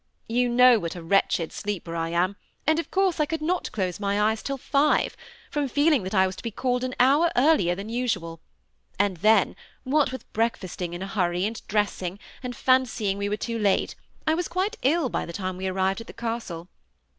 You know what a wretched sleeper I am, and of course I could not close my eyes till five, from feeling that I was to be called an hour earlier than usual ; and then, what with breakfasting in a hurry, and dressing, and fancying we were too late, I was quite ill by the time we arrived at the Castle.